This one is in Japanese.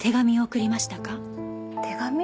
手紙？